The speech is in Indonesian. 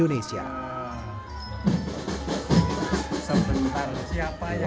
jadi jauh sebelum belanda masuk indonesia